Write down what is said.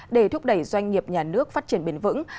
để thúc đẩy doanh nghiệp nhà nước phát triển bền vững